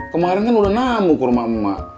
kemaren kan udah namu ke rumah emak